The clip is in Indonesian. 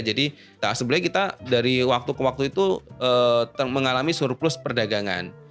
jadi sebenarnya kita dari waktu ke waktu itu mengalami surplus perdagangan